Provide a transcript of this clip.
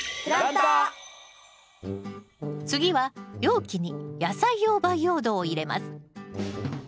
次は容器に野菜用培養土を入れます。